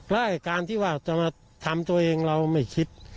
แล้วการที่ว่าจะมาทำตัวเองเราไม่คิด